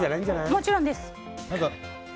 もちろんです。